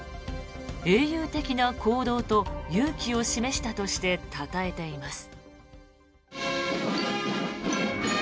英雄的な行動と勇気を示したとしてたたえています。